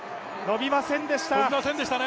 伸びませんでした。